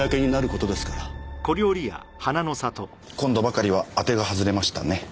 今度ばかりは当てが外れましたね。